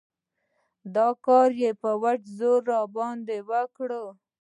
دا کار يې په وچ زور راباندې وکړ.